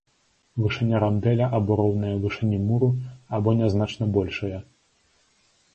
Вышыня рандэля або роўная вышыні муру, або нязначна большая.